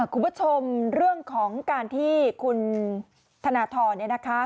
คุณผู้ชมเรื่องของการที่คุณธนทรเนี่ยนะคะ